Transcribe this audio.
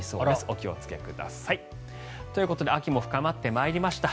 お気をつけください。ということで秋も深まってきました。